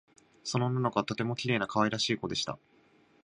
その女の子はとてもきれいなかわいらしいこでした